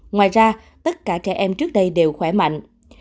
ngoài ra tất cả trẻ em trước đây đều khỏe mạnh